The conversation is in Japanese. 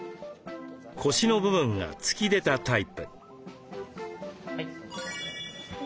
腰の部分が突き出たタイプ。